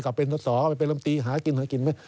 กลับเป็นทศไปเป็นลำตีหากิน